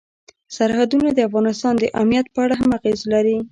سرحدونه د افغانستان د امنیت په اړه هم اغېز لري.